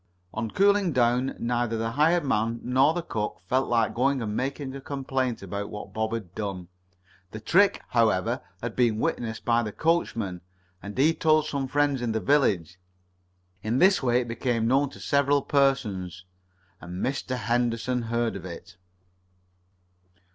On cooling down neither the hired man nor the cook felt like going and making a complaint about what Bob had done. The trick, however, had been witnessed by the coachman, and he told some friends in the village. In this way it became known to several persons, and Mr. Henderson heard of it.